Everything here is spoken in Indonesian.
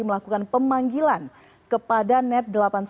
melakukan pemanggilan kepada net delapan puluh sembilan